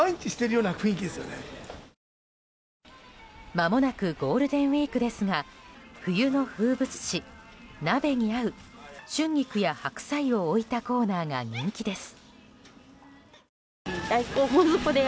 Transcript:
まもなくゴールデンウィークですが冬の風物詩、鍋に合う春菊や白菜を置いたコーナーが人気です。